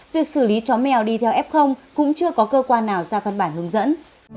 việc xử lý chó mèo đi theo f cũng chưa có cơ quan nào ra văn bản hướng dẫn